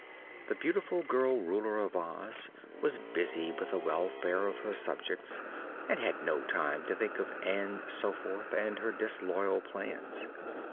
The beautiful girl Ruler of Oz was busy with the welfare of her subjects and had no time to think of Ann Soforth and her disloyal plans.